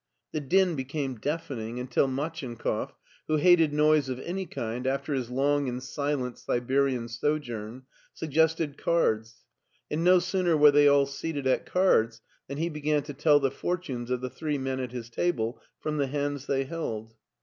The din became deafening until Machinkoff, who hated noise of any kind after his long and silent Siberian sojourn, suggested cards, and no sooner were they all seated at cards than he began to tell the for tunes of the three men at his table from the hands they held.